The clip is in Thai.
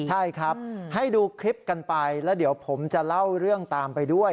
ใช่ครับให้ดูคลิปกันไปแล้วเดี๋ยวผมจะเล่าเรื่องตามไปด้วย